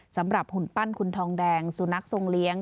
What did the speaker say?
สำหรับหุ่นปั้นคุณทองแดงสู่นักทรงเลี้ยง